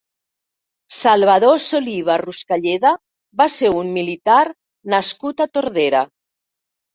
Salvador Soliva Ruscalleda va ser un militar nascut a Tordera.